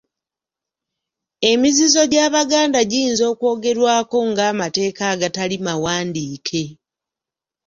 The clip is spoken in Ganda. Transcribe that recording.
Emizizo gy'Abaganda giyinza okwogerwako nga amateeka agatali mawandiike.